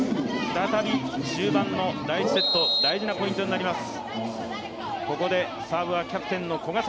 再び終盤の第１セット、大事なポイントになります。